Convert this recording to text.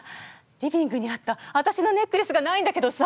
リビングにあったわたしのネックレスがないんだけどさ。